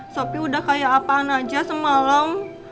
sopi udah kayak apaan aja semalam